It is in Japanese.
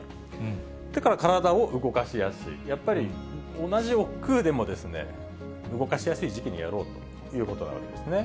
体を動かしやすい、やっぱり同じおっくうでも、動かしやすい時期にやろうということなんですね。